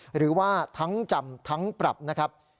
หรือว่าทั้งจำทั้งปรับนะครับ